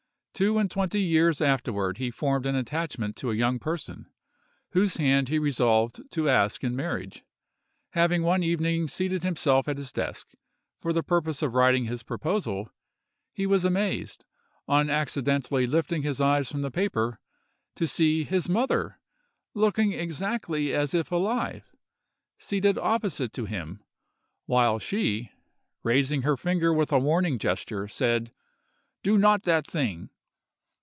Two and twenty years afterward he formed an attachment to a young person, whose hand he resolved to ask in marriage. Having one evening seated himself at his desk, for the purpose of writing his proposal, he was amazed, on accidentally lifting his eyes from the paper, to see his mother, looking exactly as if alive, seated opposite to him, while she, raising her finger with a warning gesture, said: "Do not that thing!"